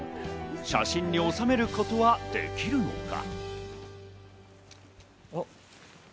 写真に収めることができるのか。